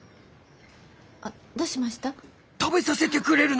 あどうしました？